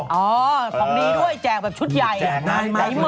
อ๋อของนี่ด้วยแจกแบบชุดใหญ่